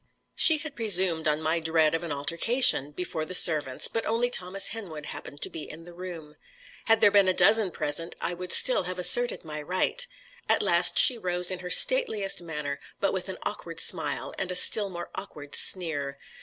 She had presumed on my dread of an altercation before the servants, but only Thomas Henwood happened to be in the room. Had there been a dozen present, I would still have asserted my right. At last she rose in her stateliest manner, but with an awkward smile, and a still more awkward sneer.